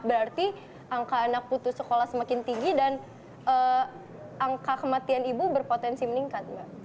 berarti angka anak putus sekolah semakin tinggi dan angka kematian ibu berpotensi meningkat mbak